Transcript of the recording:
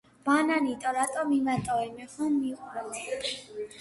ბანანიტო რატო მიმატოვე მე ხომ მიყვარდი